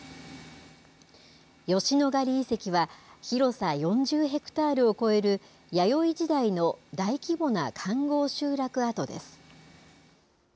吉野ヶ里遺跡は、広さ４０ヘクタールを超える、弥生時代の大規模な環ごう集落跡です。